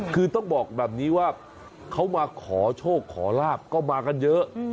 คือต้องบอกแบบนี้ว่าเขามาขอโชคขอลาบก็มากันเยอะ